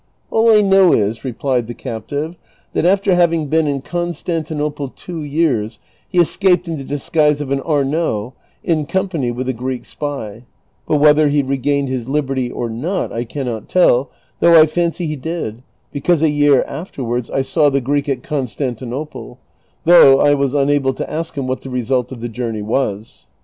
"All I know is," replied the captive, ''that after having been in Constantinople two years, he escaped in the disguise of an Arnaut, in company with a Greek spy ; but whether he regained his liberty or not I cannot tell, though I fancy he did, because a year afterwards I saw the Greek at Constanti nople, though I was unable to ask him what the result of the jou.rney was."